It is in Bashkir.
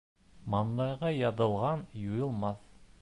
Маңлайға яҙылған юйылмаҫ.